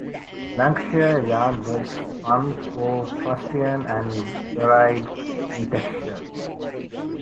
Lancashire yarn was spun for fustian and varied in texture.